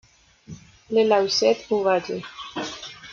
Le Lauzet-Ubaye